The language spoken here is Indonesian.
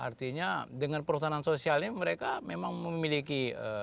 artinya dengan perhutanan sosial ini mereka memang memiliki